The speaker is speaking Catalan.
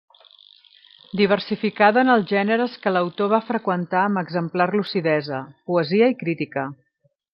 Diversificada en els gèneres que l'autor va freqüentar amb exemplar lucidesa: poesia i crítica.